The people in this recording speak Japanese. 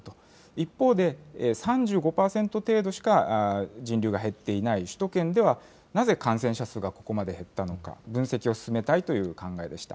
一方で、３５％程度しか人流が減っていない首都圏では、なぜ感染者数がここまで減ったのか、分析を進めたいという考えでした。